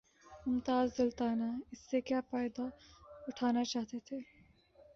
ممتاز دولتانہ اس سے کیا فائدہ اٹھانا چاہتے تھے؟